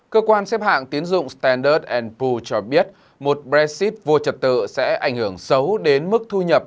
cơ quan xếp hạng tiến dụng standard enpu cho biết một brexit vô trật tự sẽ ảnh hưởng xấu đến mức thu nhập